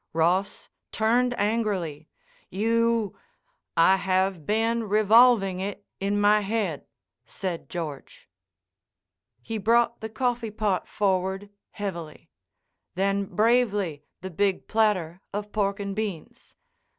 Ross turned angrily. "You—" "I have been revolving it in my head," said George. He brought the coffee pot forward heavily. Then bravely the big platter of pork and beans.